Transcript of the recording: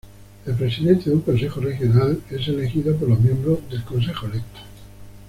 El Presidente de un consejo regional es elegido por los miembros del consejo electo.